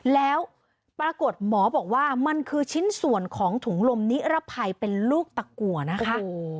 แล้วปรากฏหมอบอกว่ามันคือชิ้นส่วนของถุงลมนิรภัยเป็นลูกตะกัวนะคะ